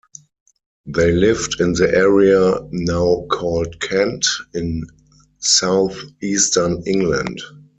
They lived in the area now called Kent, in south-eastern England.